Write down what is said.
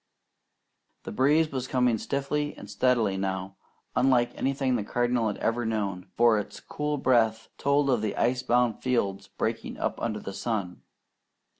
The breeze was coming stiffly and steadily now, unlike anything the Cardinal ever had known, for its cool breath told of ice bound fields breaking up under the sun.